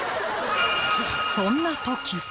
そんな時